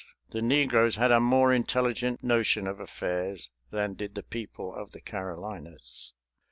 The negroes had a more intelligent notion of affairs than did the people of the Carolinas.